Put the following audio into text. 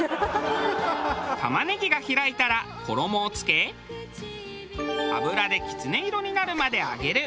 玉ねぎが開いたら衣をつけ油でキツネ色になるまで揚げる。